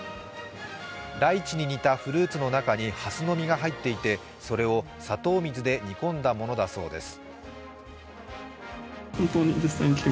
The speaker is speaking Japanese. ライチに似たフルーツの中にはすの実が入っていてそれを砂糖水で煮込んだものだそうです。